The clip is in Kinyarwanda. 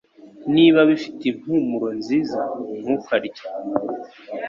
Niba bifite impumuro nziza, ntukarye